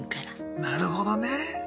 なるほどね。